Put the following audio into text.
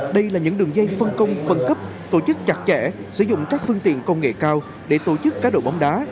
đây là những đường dây phân công phân cấp tổ chức chặt chẽ sử dụng các phương tiện công nghệ cao để tổ chức cá độ bóng đá